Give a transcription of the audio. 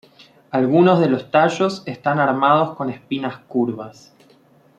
Algunos de los tallos están armados con espinas curvas.